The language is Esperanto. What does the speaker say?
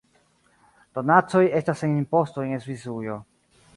Donacoj estas sen imposto en Svisujo.